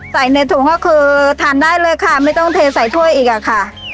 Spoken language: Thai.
ใส่ในถุงก็คือทานได้เลยค่ะไม่ต้องเทใส่ถ้วยอีกอะค่ะ